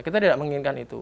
kita tidak menginginkan itu